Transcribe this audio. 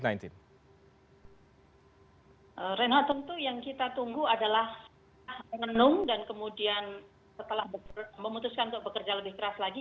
renat tentu yang kita tunggu adalah nenung dan kemudian setelah memutuskan untuk bekerja lebih keras lagi